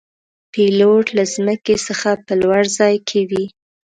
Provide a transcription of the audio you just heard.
پیلوټ له ځمکې څخه په لوړ ځای کې وي.